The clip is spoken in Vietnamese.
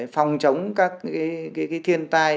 phòng chống các cái thiên tai